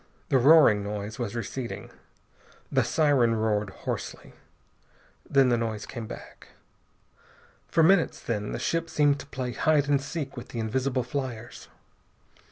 The roaring noise was receding. The siren roared hoarsely. Then the noise came back. For minutes, then, the ship seemed to play hide and seek with the invisible fliers.